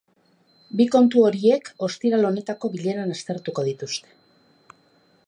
Bi kontu horiek ostiral honetako bileran aztertuko dituzte.